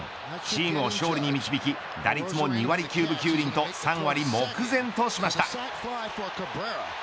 チームを勝利に導き打率も２割９分９厘と３割目前としました。